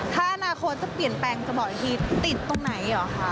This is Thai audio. ถ้าอนาคตจะเปลี่ยนแปลงจะบอกอีกทีติดตรงไหนเหรอคะ